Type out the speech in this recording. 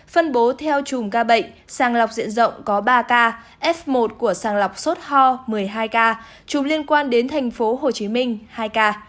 phân bố theo chùm ca bệnh sàng lọc diện rộng có ba ca f một của sàng lọc sốt ho một mươi hai ca chùm liên quan đến thành phố hồ chí minh hai ca